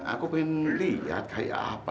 aku ingin lihat kayak apa